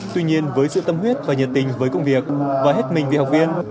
tuy nhiên với sự tâm huyết và nhiệt tình với công việc và hết mình vì học viên